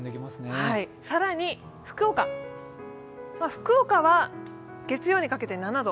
更に福岡は、月曜にかけて７度。